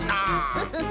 フフフ。